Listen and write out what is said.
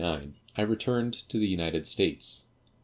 In 1859 I returned to the United States.